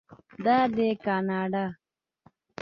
دا دی کاناډا.